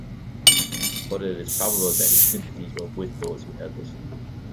But it is probable that his sympathies were with those who held it.